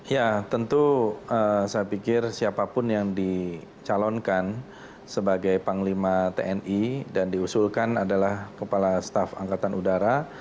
ya tentu saya pikir siapapun yang dicalonkan sebagai panglima tni dan diusulkan adalah kepala staf angkatan udara